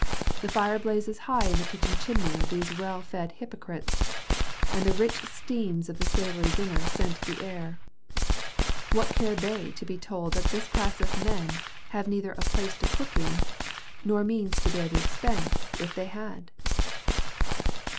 The fire blazes high in the kitchen chimney of these well fed hypocrites, and the rich steams of the savoury dinner scent the air. What care they to be told that this class of men have neither a place to cook in—nor means to bear the expense, if they had?